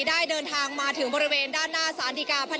ได้เดินทางมาถึงบริเวณด้านหน้าสารดีกา